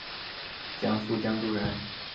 江苏江都人。